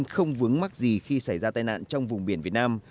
không vướng mắc gì khi xảy ra tai nạn trong vùng biển việt nam